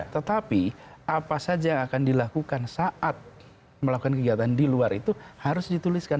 tetapi apa saja yang akan dilakukan saat melakukan kegiatan di luar itu harus dituliskan